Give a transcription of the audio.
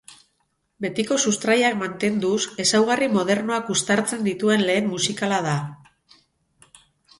Betiko sustraiak mantenduz, ezaugarri modernoak uztartzen dituen lehen musikala da.